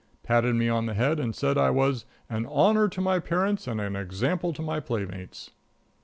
Patted me on the head and said I was "an honor to my parents and an example to my playmates."